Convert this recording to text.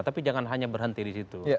tapi jangan hanya berhenti di situ